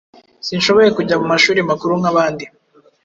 sinshoboye kujya mu mashuli makuru nk’abandi,